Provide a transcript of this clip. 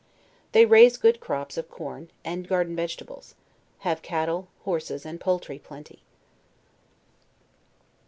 They raise good crops of cum, and gar den vegetables; have cattle, horses, and poultry plenty.